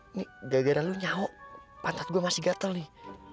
ini gara gara lu nyawa pantat gua masih gatel nih